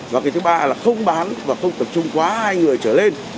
và cái thứ ba là không bán và không tập trung quá hai người trở lên